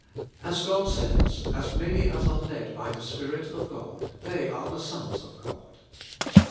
As God says, "As many as are led by the Spirit of God they are the sons of God."